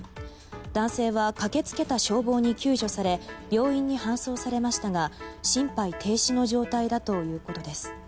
男性は駆け付けた消防に救助され病院に搬送されましたが心肺停止の状態だということです。